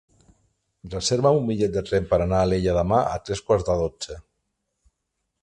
Reserva'm un bitllet de tren per anar a Alella demà a tres quarts de dotze.